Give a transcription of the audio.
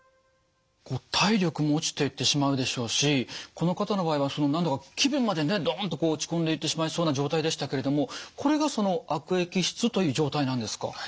体力も落ちていってしまうでしょうしこの方の場合はその何だか気分までねドンとこう落ち込んでいってしまいそうな状態でしたけれどもこれがその悪液質という状態なんですか？